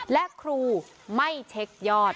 และครูไม่เช็คยอด